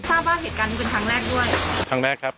ทราบว่าเหตุการณ์นี้เป็นทางแรกด้วย